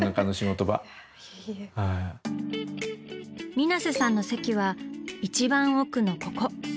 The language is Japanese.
水瀬さんの席は一番奥のここ。